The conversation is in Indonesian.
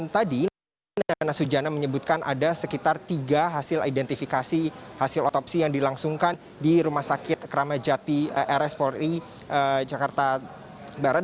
tadi nana sujana menyebutkan ada sekitar tiga hasil identifikasi hasil otopsi yang dilangsungkan di rumah sakit kramajati rs polri jakarta barat